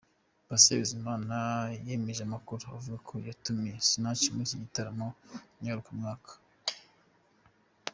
Patient Bizimana yemeje amakuru avuga ko yatumiye Sinach muri iki gitaramo ngarukamwaka.